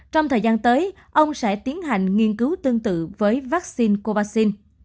trong thời gian tới ông sẽ tiến hành nghiên cứu tương tự với vaccine covid